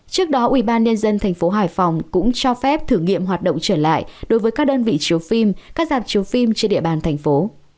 trước đó ủy ban nhân dân thành phố hải phòng cũng cho phép thử nghiệm hoạt động trở lại đối với các đơn vị chiếu phim các giảm chiếu phim trên địa bàn thành phố